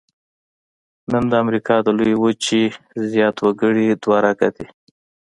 نن د امریکا د لویې وچې زیات وګړي دوه رګه دي.